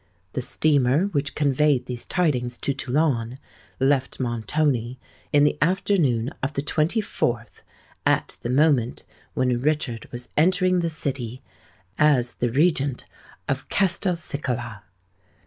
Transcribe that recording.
The steamer which conveyed these tidings to Toulon left Montoni in the afternoon of the 24th, at the moment when Richard was entering the city—as the Regent of Castelcicala!